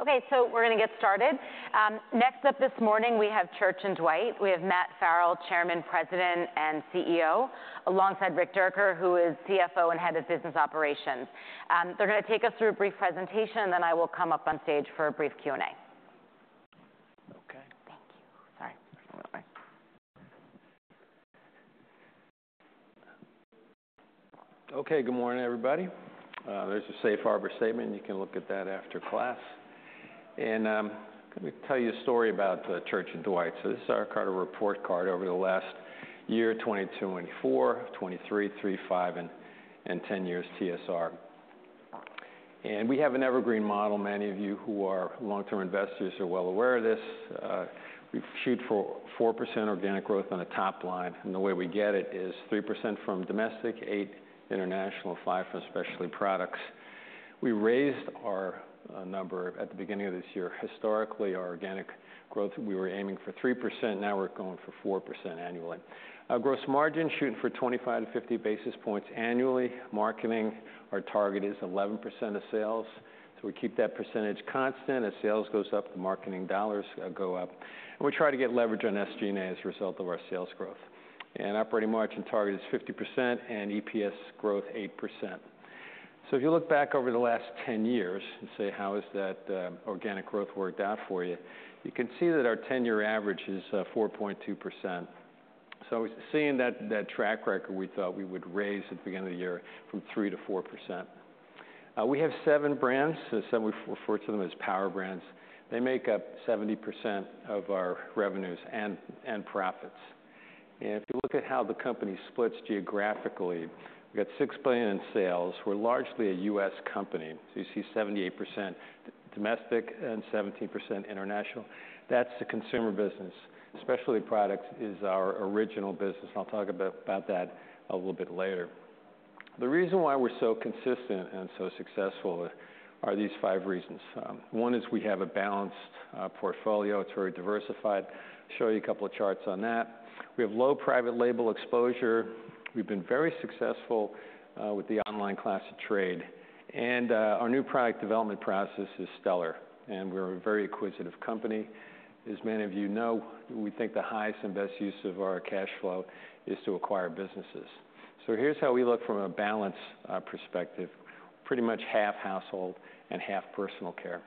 Okay, so we're gonna get started. Next up this morning, we have Church & Dwight. We have Matt Farrell, Chairman, President, and CEO, alongside Rick Dierker, who is CFO and Head of Business Operations. They're gonna take us through a brief presentation, and then I will come up on stage for a brief Q&A. Okay. Thank you. Sorry. Okay, good morning, everybody. There's a safe harbor statement. You can look at that after class. Let me tell you a story about Church & Dwight. This is our kind of report card over the last year, 2022 and 2024, 2023, 3, 5, and 10 years TSR. We have an Evergreen model. Many of you who are long-term investors are well aware of this. We shoot for 4% organic growth on the top line, and the way we get it is 3% from domestic, 8% international, 5% from specialty products. We raised our number at the beginning of this year. Historically, our organic growth, we were aiming for 3%, now we're going for 4% annually. Our gross margin, shooting for 25-50 basis points annually. Marketing, our target is 11% of sales, so we keep that percentage constant. As sales goes up, the marketing dollars go up, and we try to get leverage on SG&A as a result of our sales growth. And operating margin target is 50%, and EPS growth, 8%. So if you look back over the last 10 years and say, "How has that organic growth worked out for you?" You can see that our 10-year average is 4.2%. So seeing that track record, we thought we would raise at the beginning of the year from 3% to 4%. We have 7 brands, so some we refer to them as power brands. They make up 70% of our revenues and profits. And if you look at how the company splits geographically, we've got $6 billion in sales. We're largely a U.S. company, so you see 78% domestic and 17% international. That's the consumer business. Specialty products is our original business, and I'll talk about that a little bit later. The reason why we're so consistent and so successful are these five reasons. One is we have a balanced portfolio. It's very diversified. Show you a couple of charts on that. We have low private label exposure. We've been very successful with the online class of trade, and our new product development process is stellar, and we're a very acquisitive company. As many of you know, we think the highest and best use of our cash flow is to acquire businesses. So here's how we look from a balance perspective, pretty much half household and half personal care.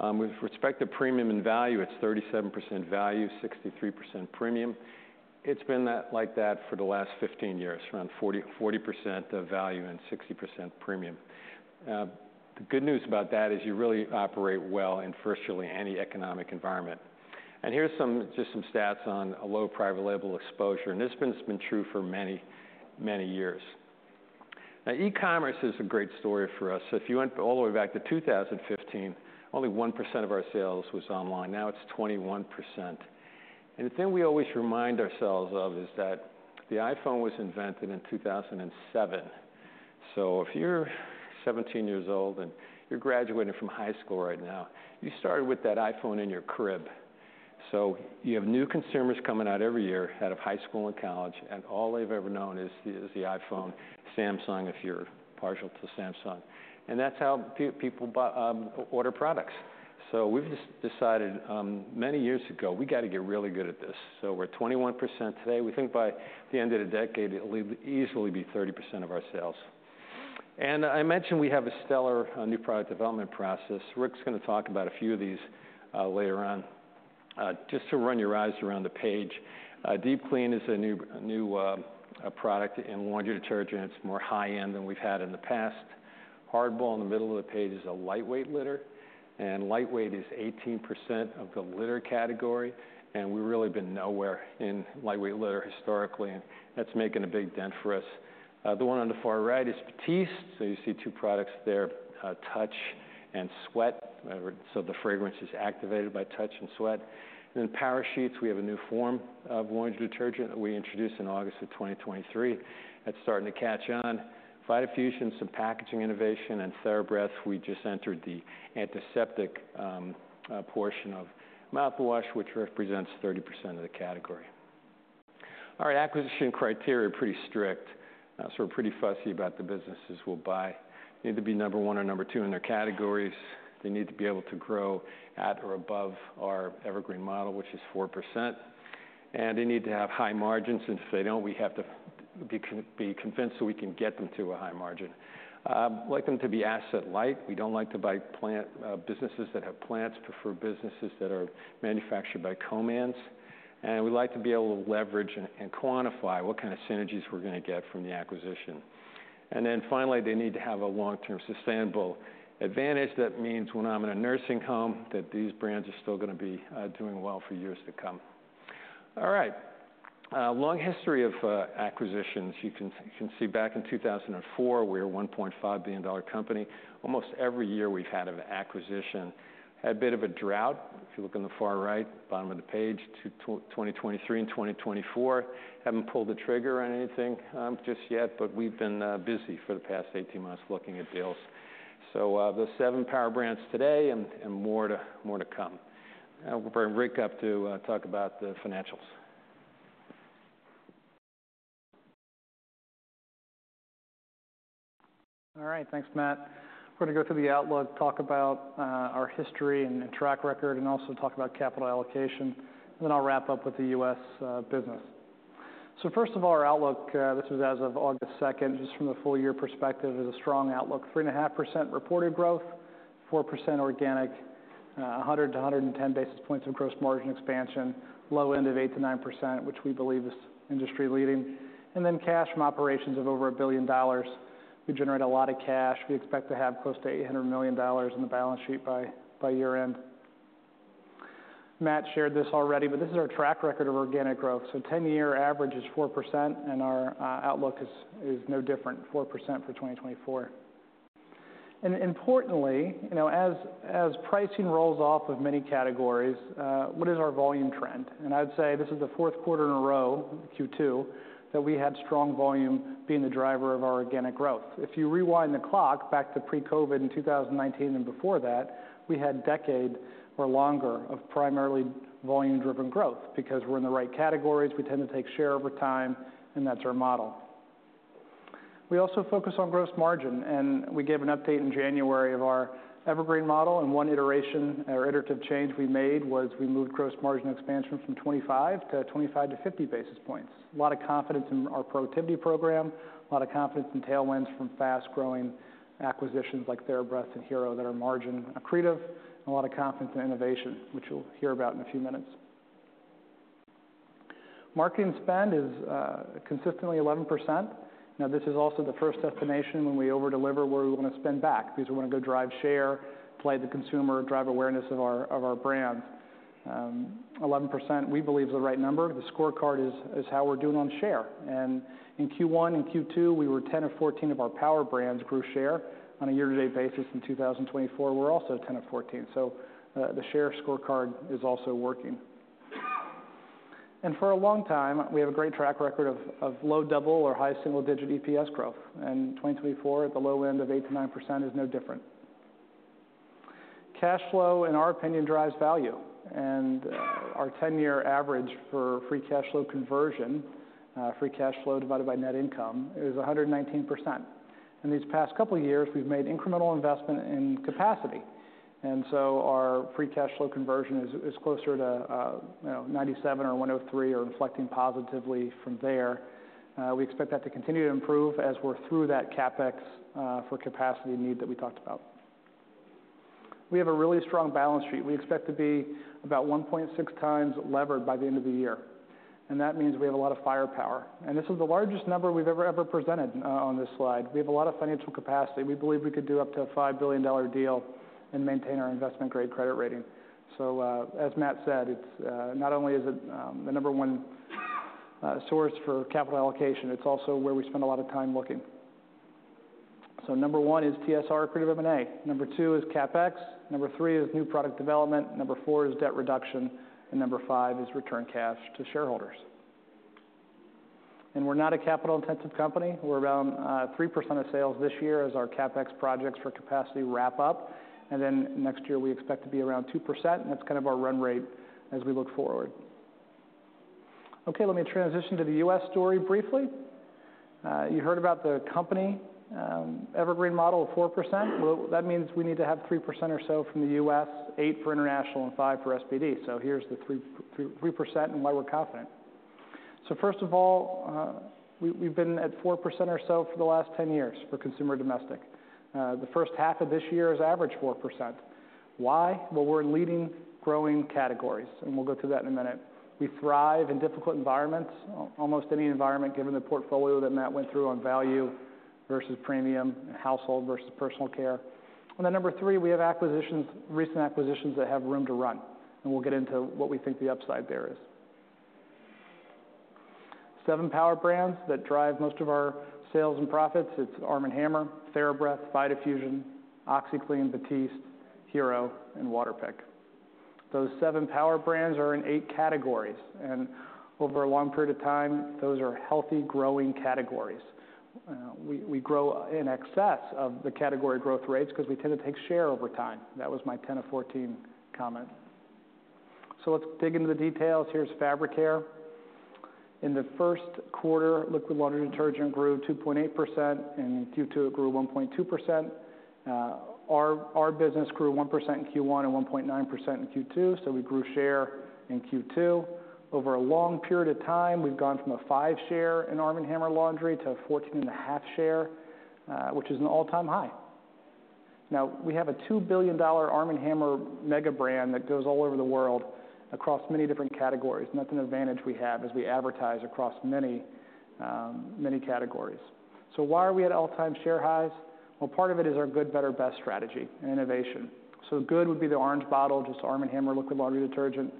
With respect to premium and value, it's 37% value, 63% premium. It's been that—like that for the last 15 years, around 40, 40% of value and 60% premium. The good news about that is you really operate well in virtually any economic environment. And here's some, just some stats on a low private label exposure, and this has been true for many, many years. Now, e-commerce is a great story for us. So if you went all the way back to 2015, only 1% of our sales was online. Now it's 21%. And the thing we always remind ourselves of is that the iPhone was invented in 2007. So if you're 17 years old, and you're graduating from high school right now, you started with that iPhone in your crib. So you have new consumers coming out every year, out of high school and college, and all they've ever known is the iPhone, Samsung, if you're partial to Samsung. And that's how people buy or order products. So we've just decided, many years ago, we got to get really good at this. So we're at 21% today. We think by the end of the decade, it'll easily be 30% of our sales. And I mentioned we have a stellar new product development process. Rick's gonna talk about a few of these later on. Just to run your eyes around the page, Deep Clean is a new product in laundry detergent, and it's more high-end than we've had in the past. Hardball, in the middle of the page, is a lightweight litter, and lightweight is 18% of the litter category, and we've really been nowhere in lightweight litter historically, and that's making a big dent for us. The one on the far right is Batiste. So you see two products there, Touch and Sweat. So the fragrance is activated by Touch and Sweat. Then Power Sheets, we have a new form of laundry detergent that we introduced in August of 2023. That's starting to catch on. Vitafusion, some packaging innovation, and TheraBreath, we just entered the antiseptic portion of mouthwash, which represents 30% of the category. All right, acquisition criteria are pretty strict, so we're pretty fussy about the businesses we'll buy. Need to be number one or number two in their categories. They need to be able to grow at or above our evergreen model, which is 4%, and they need to have high margins, and if they don't, we have to be convinced that we can get them to a high margin. Like them to be asset light. We don't like to buy plant businesses that have plants, prefer businesses that are manufactured by co-mans, and we like to be able to leverage and quantify what kind of synergies we're gonna get from the acquisition. Then finally, they need to have a long-term, sustainable advantage. That means when I'm in a nursing home, that these brands are still gonna be doing well for years to come. Long history of acquisitions. You can see back in two thousand and four, we were a $1.5 billion company. Almost every year we've had an acquisition. Had a bit of a drought, if you look on the far right, bottom of the page, twenty twenty-three and twenty twenty-four. Haven't pulled the trigger on anything just yet, but we've been busy for the past eighteen months looking at deals. So, there's seven power brands today and more to come. We'll bring Rick up to talk about the financials. All right, thanks, Matt. We're gonna go through the outlook, talk about our history and track record, and also talk about capital allocation, and then I'll wrap up with the U.S. business. So first of all, our outlook, this is as of August second, just from the full year perspective, is a strong outlook. 3.5% reported growth, 4% organic, 100 to 110 basis points of gross margin expansion, low end of 8% to 9%, which we believe is industry-leading. And then cash from operations of over $1 billion. We generate a lot of cash. We expect to have close to $800 million in the balance sheet by year-end. Matt shared this already, but this is our track record of organic growth. The ten-year average is 4%, and our outlook is no different, 4% for 2024. And importantly, you know, as pricing rolls off of many categories, what is our volume trend? And I'd say this is the fourth quarter in a row, Q2, that we had strong volume being the driver of our organic growth. If you rewind the clock back to pre-COVID in 2019 and before that, we had a decade or longer of primarily volume-driven growth. Because we're in the right categories, we tend to take share over time, and that's our model. We also focus on gross margin, and we gave an update in January of our Evergreen model, and one iteration or iterative change we made was we moved gross margin expansion from 25 to 50 basis points. A lot of confidence in our productivity program, a lot of confidence in tailwinds from fast-growing acquisitions like TheraBreath and Hero that are margin accretive, and a lot of confidence in innovation, which you'll hear about in a few minutes. Marketing spend is consistently 11%. Now, this is also the first destination when we over-deliver, where we wanna spend back, because we wanna go drive share, play the consumer, drive awareness of our, of our brands. Eleven percent, we believe, is the right number. The scorecard is how we're doing on share. And in Q1 and Q2, we were ten of fourteen of our power brands grew share. On a year-to-date basis in 2024, we're also ten of fourteen, so the share scorecard is also working. For a long time, we have a great track record of low double or high single-digit EPS growth, and in 2024, at the low end of 8-9% is no different. Cash flow, in our opinion, drives value, and our 10-year average for free cash flow conversion, free cash flow divided by net income, is 119%. In these past couple of years, we've made incremental investment in capacity, and so our free cash flow conversion is closer to, you know, 97 or 103, or reflecting positively from there. We expect that to continue to improve as we're through that CapEx for capacity need that we talked about. We have a really strong balance sheet. We expect to be about 1.6 times levered by the end of the year, and that means we have a lot of firepower. This is the largest number we've ever, ever presented on this slide. We have a lot of financial capacity. We believe we could do up to a $5 billion deal and maintain our investment-grade credit rating. So, as Matt said, it's... Not only is it the number one source for capital allocation, it's also where we spend a lot of time looking. So number one is TSR accretive M&A. Number two is CapEx. Number three is new product development. Number four is debt reduction, and number five is return cash to shareholders. We're not a capital-intensive company. We're around 3% of sales this year as our CapEx projects for capacity wrap up, and then next year we expect to be around 2%, and that's kind of our run rate as we look forward. Okay, let me transition to the U.S. story briefly. You heard about the company Evergreen model of 4%. Well, that means we need to have 3% or so from the U.S., 8% for international and 5% for SPD. So here's the three, 3% and why we're confident. So first of all, we've been at 4% or so for the last 10 years for consumer domestic. The first half of this year is average 4%. Why? Well, we're leading growing categories, and we'll go through that in a minute. We thrive in difficult environments, almost any environment, given the portfolio that Matt went through on value versus premium and household versus personal care. And then number three, we have acquisitions, recent acquisitions that have room to run, and we'll get into what we think the upside there is. Seven power brands that drive most of our sales and profits: Arm & Hammer, TheraBreath, Vitafusion, OxiClean, Batiste, Hero, and Waterpik. Those seven power brands are in eight categories, and over a long period of time, those are healthy, growing categories. We grow in excess of the category growth rates because we tend to take share over time. That was my ten of fourteen comment. So let's dig into the details. Here's fabric care. In the first quarter, liquid laundry detergent grew 2.8%, and in Q2, it grew 1.2%. Our business grew 1% in Q1 and 1.9% in Q2, so we grew share in Q2. Over a long period of time, we've gone from a five share in Arm & Hammer laundry to a 14.5 share, which is an all-time high. Now, we have a $2 billion Arm & Hammer mega brand that goes all over the world across many different categories, and that's an advantage we have as we advertise across many, many categories. So why are we at all-time share highs? Part of it is our good, better, best strategy and innovation. Good would be the orange bottle, just Arm & Hammer liquid laundry detergent.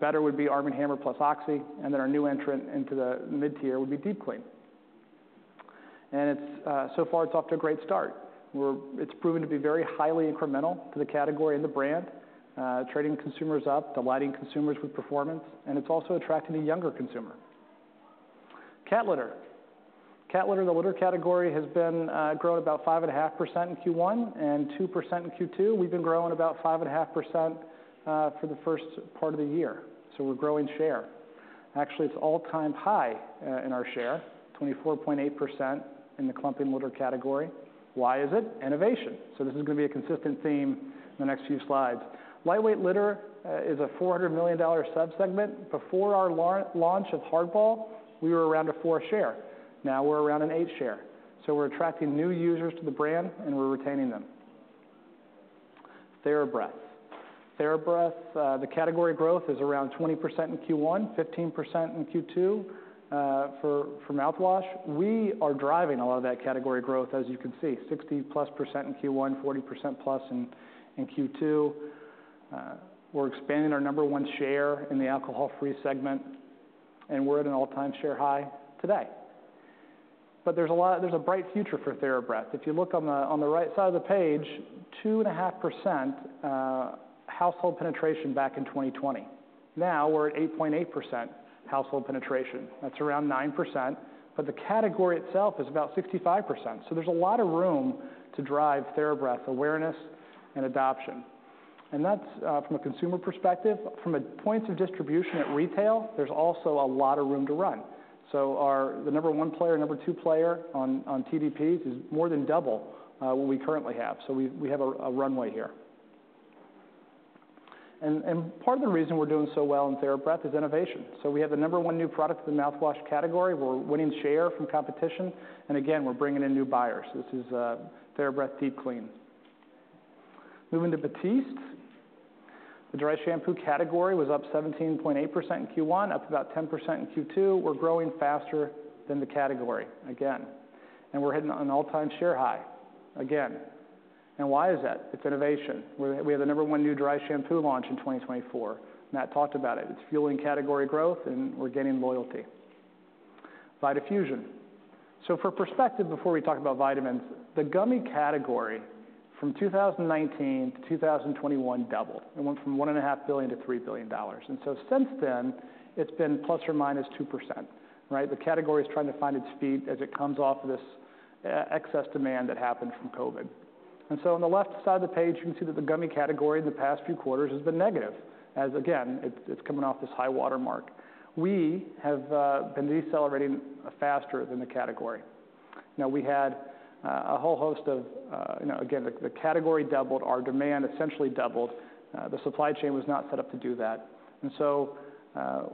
Better would be Arm & Hammer Plus Oxi, and then our new entrant into the mid-tier would be Deep Clean. And it's... So far, it's off to a great start, where it's proven to be very highly incremental to the category and the brand, trading consumers up, delighting consumers with performance, and it's also attracting a younger consumer. Cat litter. Cat litter, the litter category, has been growing about 5.5% in Q1 and 2% in Q2. We've been growing about 5.5% for the first part of the year, so we're growing share. Actually, it's all-time high in our share, 24.8% in the clumping litter category. Why is it? Innovation. So this is gonna be a consistent theme in the next few slides. Lightweight litter is a $400 million sub-segment. Before our launch of Hardball, we were around a 4 share. Now we're around an 8% share, so we're attracting new users to the brand, and we're retaining them. TheraBreath. TheraBreath, the category growth is around 20% in Q1, 15% in Q2. For mouthwash, we are driving a lot of that category growth, as you can see, 60+% in Q1, 40+% in Q2. We're expanding our number one share in the alcohol-free segment, and we're at an all-time share high today. But there's a lot. There's a bright future for TheraBreath. If you look on the right side of the page, 2.5%, household penetration back in 2020. Now we're at 8.8% household penetration. That's around 9%, but the category itself is about 65%. So there's a lot of room to drive TheraBreath awareness and adoption. And that's from a consumer perspective. From a point of distribution at retail, there's also a lot of room to run. So the number one player, number two player on TDPs is more than double what we currently have, so we have a runway here. And part of the reason we're doing so well in TheraBreath is innovation. So we have the number one new product in the mouthwash category. We're winning share from competition, and again, we're bringing in new buyers. This is TheraBreath Deep Clean. Moving to Batiste. The dry shampoo category was up 17.8% in Q1, up about 10% in Q2. We're growing faster than the category again, and we're hitting an all-time share high again. And why is that? It's innovation. We have the number one new dry shampoo launch in 2024. Matt talked about it. It's fueling category growth, and we're gaining loyalty. Vitafusion. So for perspective, before we talk about vitamins, the gummy category from 2019 to 2021 doubled. It went from $1.5 billion to $3 billion, and so since then, it's been plus or minus 2%, right? The category is trying to find its feet as it comes off of this excess demand that happened from COVID. And so on the left side of the page, you can see that the gummy category in the past few quarters has been negative, as again, it's coming off this high watermark. We have been decelerating faster than the category. Now, we had a whole host of... You know, again, the category doubled. Our demand essentially doubled. The supply chain was not set up to do that, and so,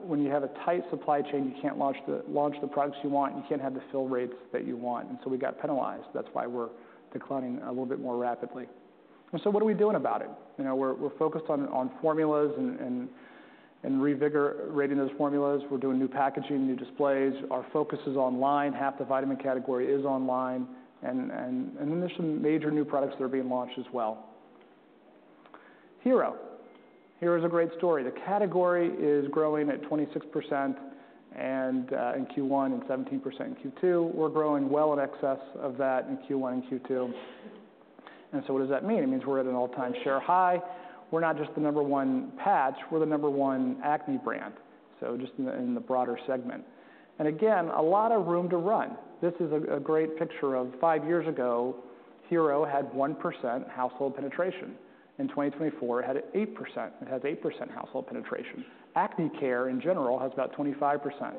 when you have a tight supply chain, you can't launch the products you want, you can't have the fill rates that you want, and so we got penalized. That's why we're declining a little bit more rapidly. And so what are we doing about it? You know, we're focused on formulas and reinvigorating those formulas. We're doing new packaging, new displays. Our focus is online. Half the vitamin category is online, and then there's some major new products that are being launched as well. Hero. Hero is a great story. The category is growing at 26% in Q1 and 17% in Q2. We're growing well in excess of that in Q1 and Q2. And so what does that mean? It means we're at an all-time share high. We're not just the number one patch, we're the number one acne brand, so just in the broader segment, and again, a lot of room to run. This is a great picture of five years ago, Hero had 1% household penetration. In 2024, it had 8%- it has 8% household penetration. Acne care, in general, has about 25%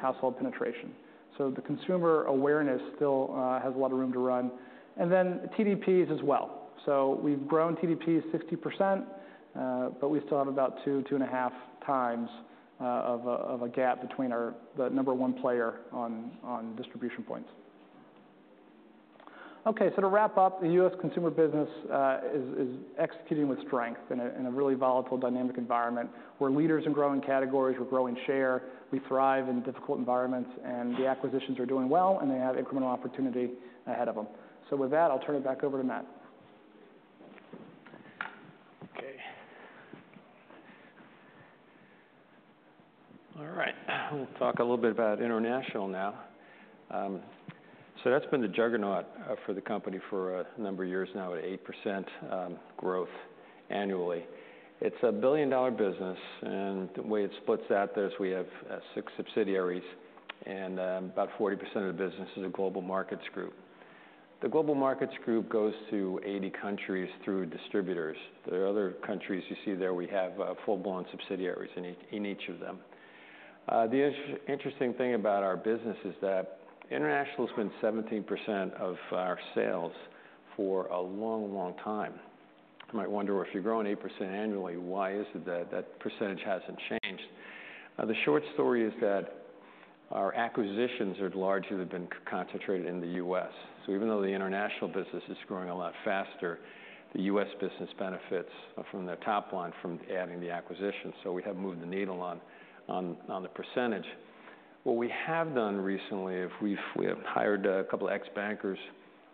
household penetration, so the consumer awareness still has a lot of room to run, and then TDPs as well, so we've grown TDP 60%, but we still have about two, two and a half times of a gap between our, the number one player on distribution points. Okay, so to wrap up, the U.S. consumer business is executing with strength in a really volatile, dynamic environment. We're leaders in growing categories. We're growing share. We thrive in difficult environments, and the acquisitions are doing well, and they have incremental opportunity ahead of them. So with that, I'll turn it back over to Matt. Okay. All right, we'll talk a little bit about international now. So that's been the juggernaut for the company for a number of years now, at 8% growth annually. It's a $1 billion business, and the way it splits out is we have six subsidiaries, and about 40% of the business is a Global Markets Group. The Global Markets Group goes to 80 countries through distributors. There are other countries you see there, we have full-blown subsidiaries in each of them. The interesting thing about our business is that international has been 17% of our sales for a long, long time. You might wonder, if you're growing 8% annually, why is it that that percentage hasn't changed? The short story is that our acquisitions have largely been concentrated in the U.S. So even though the international business is growing a lot faster, the U.S. business benefits from the top line, from adding the acquisitions, so we have moved the needle on the percentage. What we have done recently is we have hired a couple of ex-bankers,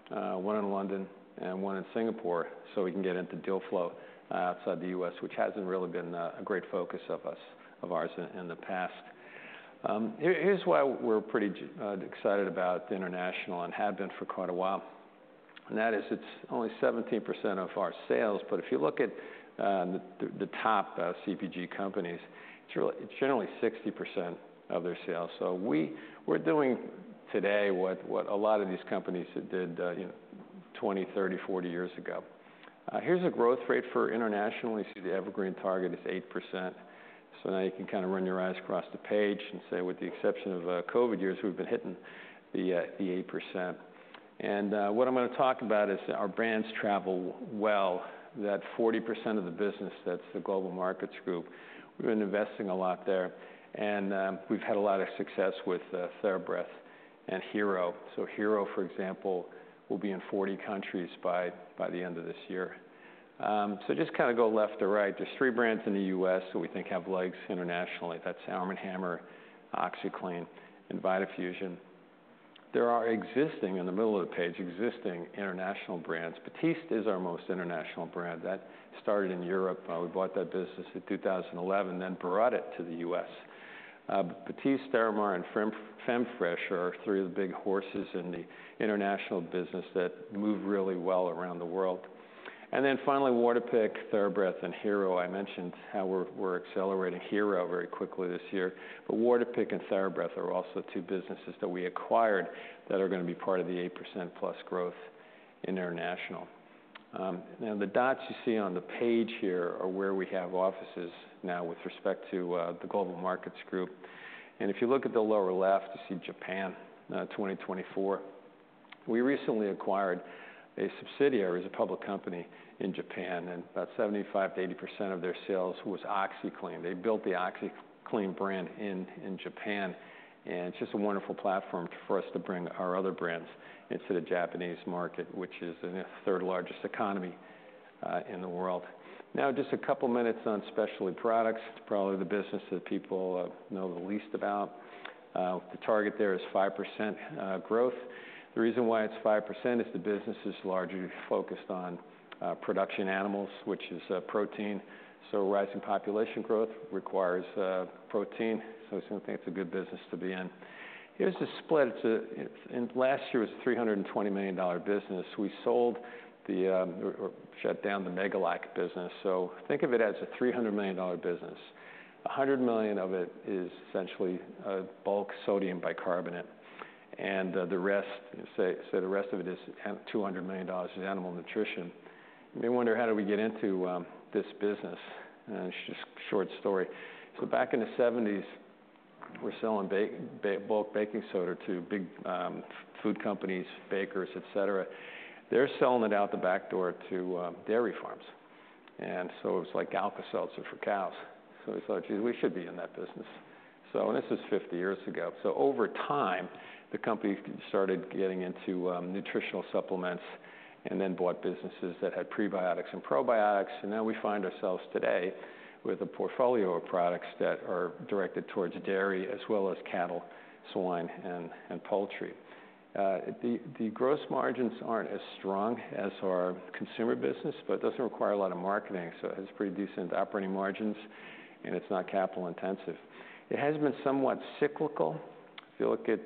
one in London and one in Singapore, so we can get into deal flow outside the U.S., which hasn't really been a great focus of ours in the past. Here's why we're pretty excited about international and have been for quite a while, and that is it's only 17% of our sales, but if you look at the top CPG companies, it's generally 60% of their sales. So we're doing today what a lot of these companies did, you know, ten-... Twenty, thirty, forty years ago. Here's a growth rate for international. You see the Evergreen target is 8%. So now you can kind of run your eyes across the page and say, with the exception of COVID years, we've been hitting the 8%. What I'm gonna talk about is our brands travel well, that 40% of the business, that's the Global Markets Group. We've been investing a lot there, and we've had a lot of success with TheraBreath and Hero. So Hero, for example, will be in 40 countries by the end of this year. So just kinda go left to right. There are three brands in the US that we think have legs internationally. That's Arm & Hammer, OxiClean, and Vitafusion. There are existing in the middle of the page, existing international brands. Batiste is our most international brand, that started in Europe. We bought that business in two thousand and eleven, then brought it to the U.S. Batiste, Sterimar, and Femfresh are three of the big horses in the international business that move really well around the world. And then finally, Waterpik, TheraBreath, and Hero. I mentioned how we're accelerating Hero very quickly this year. But Waterpik and TheraBreath are also two businesses that we acquired that are gonna be part of the 8% plus growth in international. Now, the dots you see on the page here are where we have offices now with respect to the Global Markets Group. And if you look at the lower left, you see Japan, 2024. We recently acquired a subsidiary, as a public company in Japan, and about 75%-80% of their sales was OxiClean. They built the OxiClean brand in Japan, and it's just a wonderful platform for us to bring our other brands into the Japanese market, which is the third largest economy in the world. Now, just a couple minutes on specialty products. It's probably the business that people know the least about. The target there is 5% growth. The reason why it's 5% is the business is largely focused on production animals, which is protein. So rising population growth requires protein, so we think it's a good business to be in. Here's the split. It's. In last year, it was a $320 million business. We sold the or shut down the Megalac business, so think of it as a $300 million business. 100 million of it is essentially bulk sodium bicarbonate, and the rest, so the rest of it is $200 million in animal nutrition. You may wonder, how did we get into this business? And it's just short story. So back in the '70s, we're selling bulk baking soda to big food companies, bakers, et cetera. They're selling it out the back door to dairy farms. And so it was like Alka-Seltzer for cows. So we thought, "Gee, we should be in that business." So this is 50 years ago. So over time, the company started getting into nutritional supplements and then bought businesses that had prebiotics and probiotics, and now we find ourselves today with a portfolio of products that are directed towards dairy as well as cattle, swine, and poultry. The gross margins aren't as strong as our consumer business, but it doesn't require a lot of marketing, so it has pretty decent operating margins, and it's not capital intensive. It has been somewhat cyclical. If you look at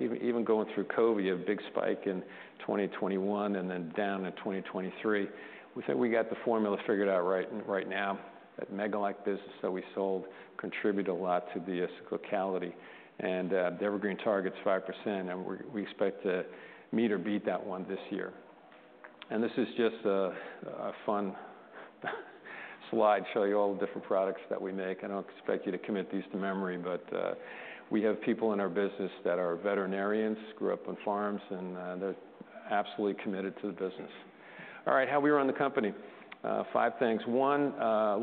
even going through COVID, you have a big spike in 2021 and then down in 2023. We think we got the formula figured out right now. That Megalac business that we sold contributed a lot to the cyclicality, and the Evergreen target's 5%, and we expect to meet or beat that one this year. This is just a fun slide to show you all the different products that we make. I don't expect you to commit these to memory, but, we have people in our business that are veterinarians, grew up on farms, and, they're absolutely committed to the business. All right, how we run the company? Five things. One,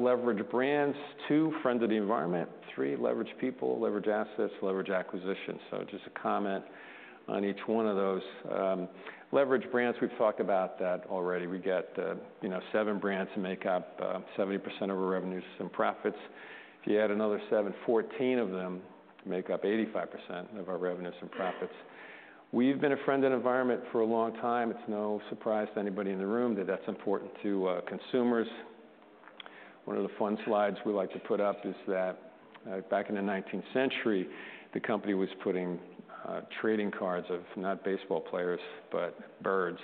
leverage brands. Two, friend of the environment. Three, leverage people, leverage assets, leverage acquisitions. So just a comment on each one of those. Leverage brands, we've talked about that already. We get, you know, seven brands make up, 70% of our revenues and profits. If you add another seven, 14 of them make up 85% of our revenues and profits. We've been a friend of the environment for a long time. It's no surprise to anybody in the room that that's important to, consumers. One of the fun slides we like to put up is that, back in the nineteenth century, the company was putting trading cards of not baseball players, but birds,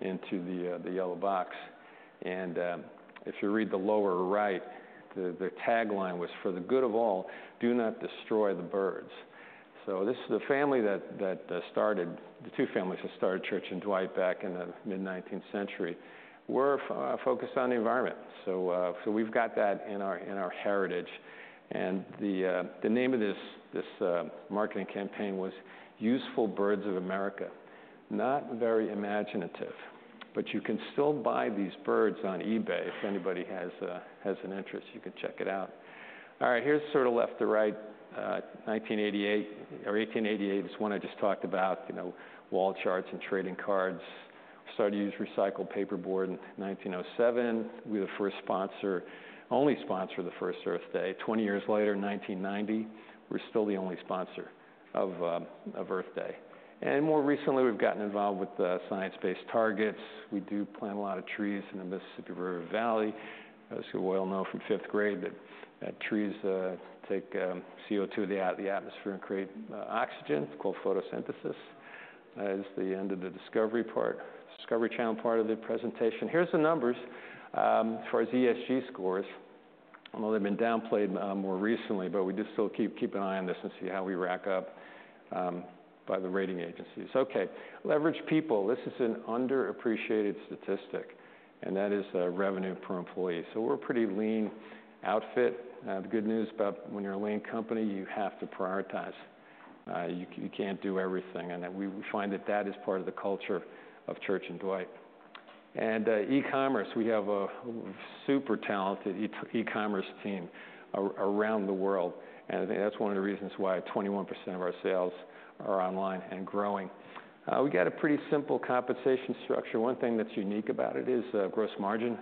into the yellow box. And, if you read the lower right, the tagline was, "For the good of all, do not destroy the birds." So this is the two families that started Church & Dwight back in the mid-nineteenth century, were focused on the environment. So we've got that in our heritage. And the name of this marketing campaign was Useful Birds of America. Not very imaginative, but you can still buy these birds on eBay. If anybody has an interest, you can check it out. All right, here's sort of left to right, nineteen eighty-eight or eighteen eighty-eight, this one I just talked about, you know, wall charts and trading cards. Started to use recycled paperboard in nineteen oh seven. We were the first sponsor, only sponsor, of the first Earth Day. Twenty years later, in nineteen ninety, we're still the only sponsor of Earth Day. And more recently, we've gotten involved with science-based targets. We do plant a lot of trees in the Mississippi River Valley. As you well know from fifth grade, trees take CO2 out of the atmosphere and create oxygen. It's called photosynthesis. That is the end of the discovery part, Discovery Channel part of the presentation. Here's the numbers for our ESG scores. Although they've been downplayed more recently, but we just still keep an eye on this and see how we rack up by the rating agencies. Okay, leverage people. This is an underappreciated statistic, and that is revenue per employee. So we're a pretty lean outfit. The good news about when you're a lean company, you have to prioritize. You can't do everything, and then we find that that is part of the culture of Church & Dwight. And e-commerce, we have a super talented e-commerce team around the world, and I think that's one of the reasons why 21% of our sales are online and growing. We got a pretty simple compensation structure. One thing that's unique about it is gross margin.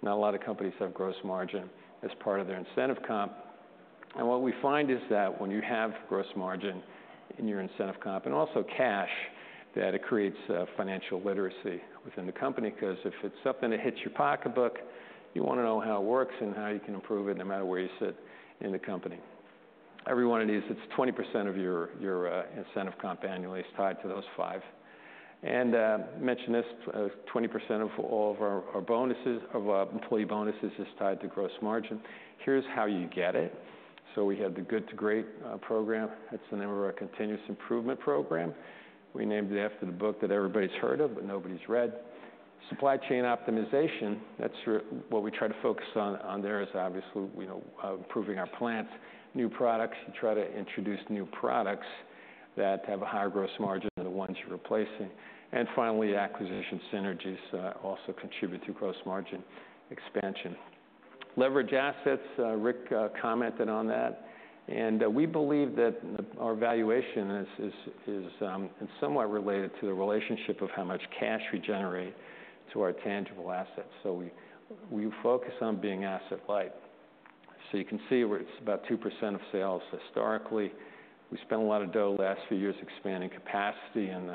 Not a lot of companies have gross margin as part of their incentive comp. What we find is that when you have gross margin in your incentive comp, and also cash, that it creates financial literacy within the company, 'cause if it's something that hits your pocketbook, you wanna know how it works and how you can improve it, no matter where you sit in the company. Every one of these, it's 20% of your incentive comp annually is tied to those five. I mentioned this: 20% of all of our bonuses, of our employee bonuses, is tied to gross margin. Here's how you get it. We have the Good to Great program. That's the name of our continuous improvement program. We named it after the book that everybody's heard of, but nobody's read. Supply chain optimization, that's what we try to focus on there. There is obviously, you know, improving our plants. New products, you try to introduce new products that have a higher gross margin than the ones you're replacing. And finally, acquisition synergies also contribute to gross margin expansion. Leverage assets, Rick commented on that, and we believe that our valuation is somewhat related to the relationship of how much cash we generate to our tangible assets, so we focus on being asset light. So you can see where it's about 2% of sales. Historically, we spent a lot of dough the last few years expanding capacity and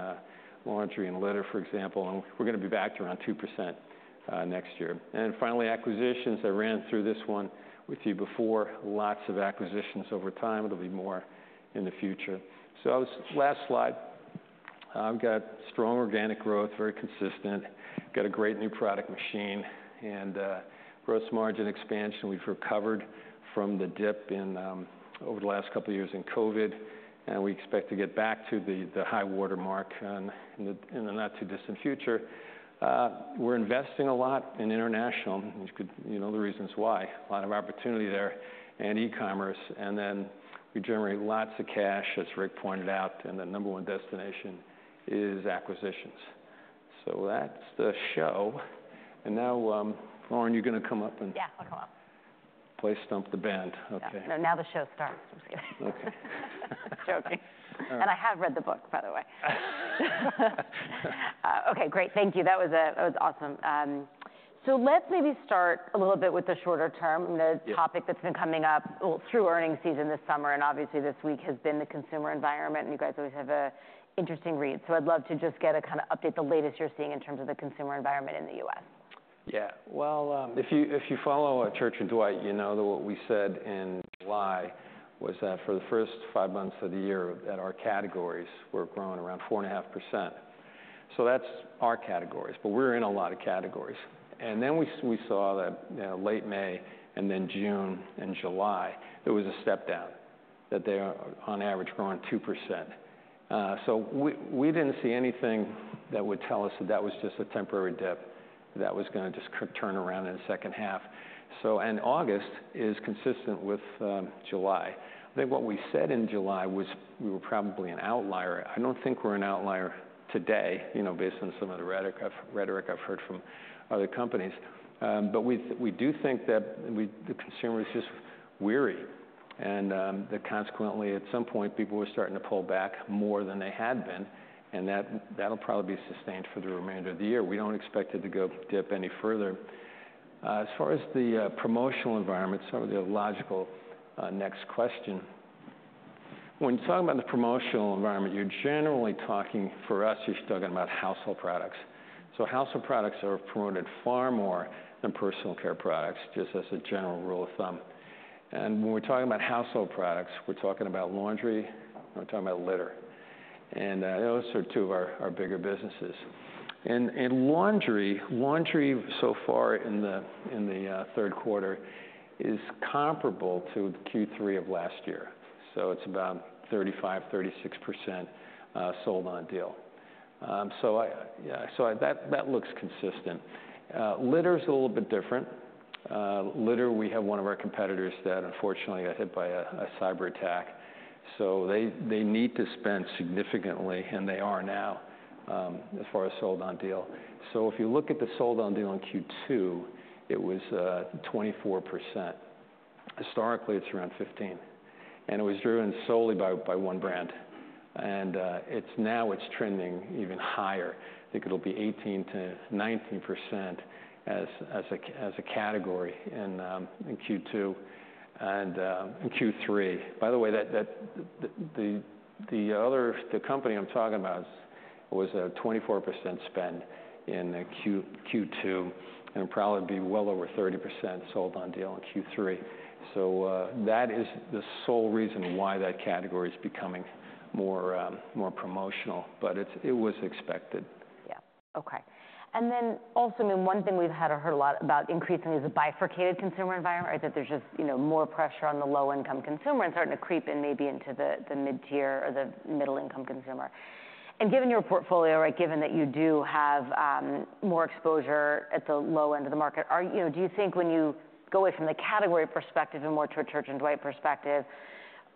laundry and litter, for example, and we're gonna be back to around 2% next year. And finally, acquisitions. I ran through this one with you before. Lots of acquisitions over time. There'll be more in the future. So last slide. I've got strong organic growth, very consistent, got a great new product machine, and gross margin expansion. We've recovered from the dip in over the last couple of years in COVID, and we expect to get back to the high water mark in the not-too-distant future. We're investing a lot in international, which could... You know the reasons why. A lot of opportunity there, and e-commerce, and then we generate lots of cash, as Rick pointed out, and the number one destination is acquisitions. So that's the show, and now, Lauren, you're gonna come up and- Yeah, I'll come up. Play Stump the Band. Okay. Yeah. No, now the show starts. Okay. Joking. All right. And I have read the book, by the way. Okay, great. Thank you. That was, that was awesome. So let's maybe start a little bit with the shorter term- Yeah... the topic that's been coming up, well, through earnings season this summer, and obviously this week, has been the consumer environment, and you guys always have an interesting read. So I'd love to just get a kind of update, the latest you're seeing in terms of the consumer environment in the U.S. Yeah, well, if you follow Church & Dwight, you know that what we said in July was that for the first five months of the year, that our categories were growing around 4.5%. So that's our categories, but we're in a lot of categories. And then we saw that late May, and then June and July, there was a step down, that they are, on average, growing 2%. So we didn't see anything that would tell us that that was just a temporary dip, that was gonna just turn around in the second half. So, August is consistent with July. I think what we said in July was, we were probably an outlier. I don't think we're an outlier today, you know, based on some of the rhetoric I've heard from other companies. But we do think that the consumer is just weary, and that consequently, at some point, people were starting to pull back more than they had been, and that, that'll probably be sustained for the remainder of the year. We don't expect it to go dip any further. As far as the promotional environment, so the logical next question, when talking about the promotional environment, you're generally talking, for us, you're talking about household products. So household products are promoted far more than personal care products, just as a general rule of thumb. And when we're talking about household products, we're talking about laundry, we're talking about litter, and those are two of our bigger businesses. Laundry so far in the third quarter is comparable to Q3 of last year, so it's about 35-36% sold on deal. So that looks consistent. Litter is a little bit different. Litter, we have one of our competitors that unfortunately got hit by a cyberattack, so they need to spend significantly, and they are now as far as sold on deal. So if you look at the sold on deal in Q2, it was 24%. Historically, it's around 15%, and it was driven solely by one brand, and it's now trending even higher. I think it'll be 18-19% as a category in Q2 and in Q3. By the way, the other company I'm talking about was a 24% spend in Q2, and it'll probably be well over 30% sold on deal in Q3. So, that is the sole reason why that category is becoming more promotional, but it was expected. Yeah. Okay. And then also, I mean, one thing we've had or heard a lot about increasingly is a bifurcated consumer environment, right? That there's just, you know, more pressure on the low-income consumer, and starting to creep in maybe into the mid-tier or the middle-income consumer. And given your portfolio, right, given that you do have more exposure at the low end of the market, are, you know, do you think when you go away from the category perspective and more to a Church & Dwight perspective,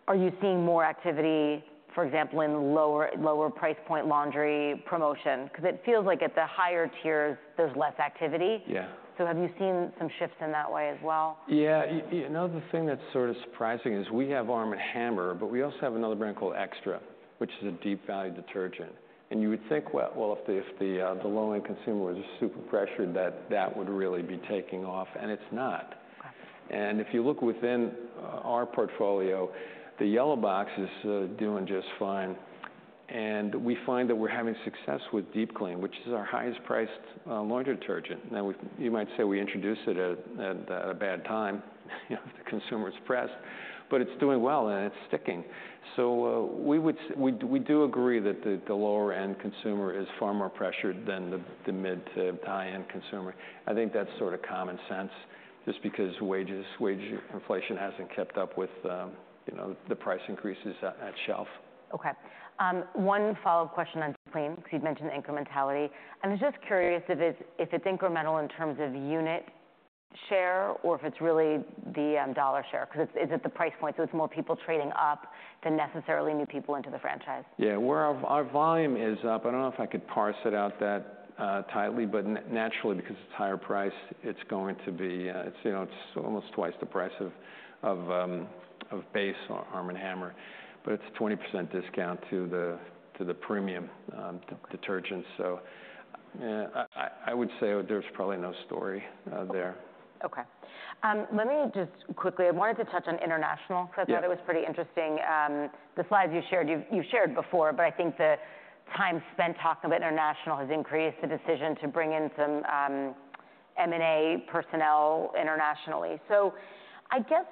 are you seeing more activity, for example, in lower price point laundry promotion? 'Cause it feels like at the higher tiers, there's less activity. Yeah. So have you seen some shifts in that way as well? Yeah, another thing that's sort of surprising is we have Arm & Hammer, but we also have another brand called Xtra, which is a deep value detergent. And you would think, well, if the low-end consumer was super pressured, that would really be taking off, and it's not. Got it. And if you look within our portfolio, the Yellow Box is doing just fine, and we find that we're having success with Deep Clean, which is our highest priced laundry detergent. Now, you might say we introduced it at a bad time, you know, if the consumer is pressed, but it's doing well, and it's sticking. So, we do agree that the lower-end consumer is far more pressured than the mid to high-end consumer. I think that's sort of common sense, just because wages, wage inflation hasn't kept up with, you know, the price increases at shelf. Okay. One follow-up question on Clean, 'cause you'd mentioned incrementality. I was just curious if it's incremental in terms of unit share or if it's really the dollar share, 'cause is it the price point, so it's more people trading up than necessarily new people into the franchise? Yeah. Well, our volume is up. I don't know if I could parse it out that tightly, but naturally, because it's higher price, it's going to be... It's, you know, it's almost twice the price of base Arm & Hammer, but it's a 20% discount to the premium detergent. So, I would say there's probably no story there. Okay. Let me just quickly... I wanted to touch on international- Yeah. 'Cause I thought it was pretty interesting. The slides you shared, you've shared before, but I think the time spent talking about international has increased the decision to bring in some M&A personnel internationally. So I guess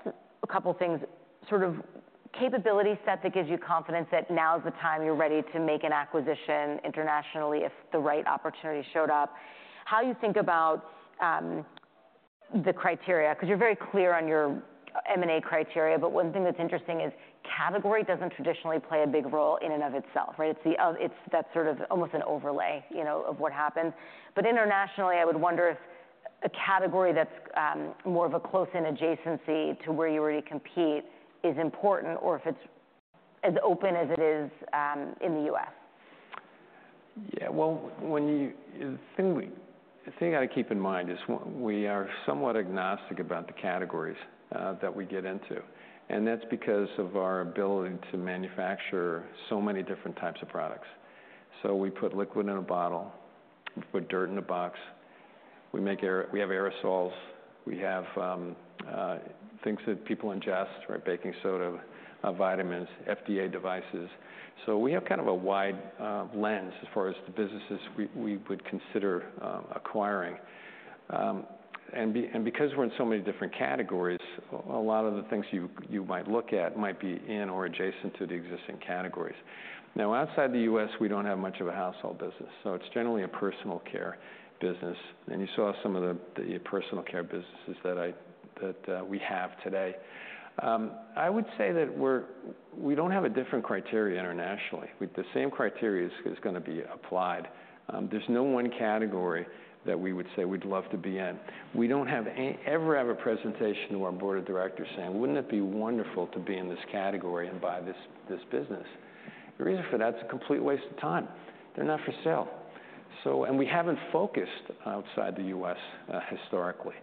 a couple things, sort of capability set that gives you confidence that now is the time, you're ready to make an acquisition internationally if the right opportunity showed up. How you think about the criteria, 'cause you're very clear on your M&A criteria, but one thing that's interesting is category doesn't traditionally play a big role in and of itself, right? It's the of- it's that's sort of almost an overlay, you know, of what happens. But internationally, I would wonder if a category that's more of a close-in adjacency to where you already compete is important, or if it's as open as it is in the U.S. Yeah, well, the thing you gotta keep in mind is we are somewhat agnostic about the categories that we get into, and that's because of our ability to manufacture so many different types of products. So we put liquid in a bottle. We put dirt in a box. We have aerosols. We have things that people ingest, right? Baking soda, vitamins, FDA devices. So we have kind of a wide lens as far as the businesses we would consider acquiring. And because we're in so many different categories, a lot of the things you might look at might be in or adjacent to the existing categories. Now, outside the U.S., we don't have much of a household business, so it's generally a personal care business, and you saw some of the personal care businesses that we have today. I would say that we don't have a different criteria internationally. The same criteria is gonna be applied. There's no one category that we would say we'd love to be in. We don't ever have a presentation to our board of directors saying, "Wouldn't it be wonderful to be in this category and buy this business?" The reason for that, it's a complete waste of time. They're not for sale, so. We haven't focused outside the U.S. historically.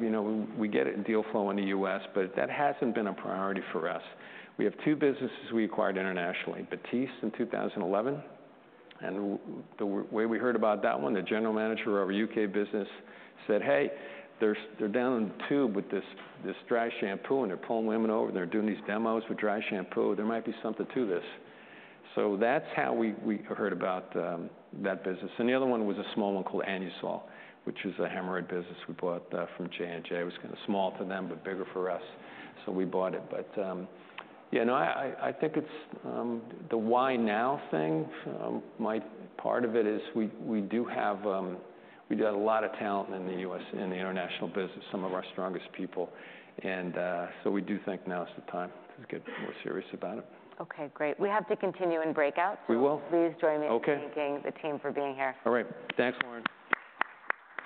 You know, we get a deal flow in the U.S., but that hasn't been a priority for us. We have two businesses we acquired internationally, Batiste in 2011, and the way we heard about that one, the general manager of our UK business said, "Hey, there's, they're down in the Tube with this, this dry shampoo, and they're pulling women over, and they're doing these demos with dry shampoo. There might be something to this." So that's how we heard about that business. And the other one was a small one called Anusol, which was a hemorrhoid business we bought from J&J. It was kind of small to them but bigger for us, so we bought it. But you know, I think it's the why now thing. My part of it is we do have, we've got a lot of talent in the U.S., in the international business, some of our strongest people, and so we do think now is the time to get more serious about it. Okay, great. We have to continue in breakout. We will. So please join me. Okay. in thanking the team for being here. All right. Thanks, Lauren.